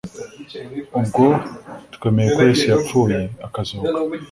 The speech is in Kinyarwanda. Ubwo twemeye ko Yesu yapfuye, akazuka